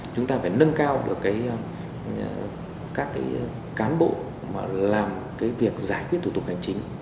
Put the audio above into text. chúng ta phải nâng cao được các cán bộ mà làm cái việc giải quyết thủ tục hành chính